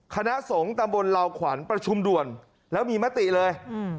คณะสงฆ์ตำบลลาวขวัญประชุมด่วนแล้วมีมติเลย